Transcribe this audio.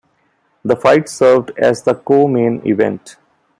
The fight served as the co-main event.